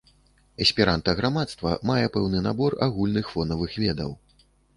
Эсперанта-грамадства мае пэўны набор агульных фонавых ведаў.